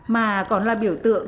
mà còn là biểu tượng